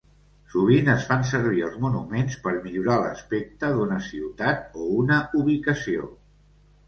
Sovint es fan servir els monuments per millorar l'aspecte d'una ciutat o una ubicació.